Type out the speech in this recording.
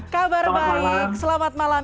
kabar baik selamat malam